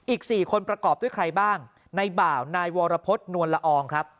อีก๔คนประกอบด้วยใครบ้างในบ่าวนายวรพฤษนวลละอองครับ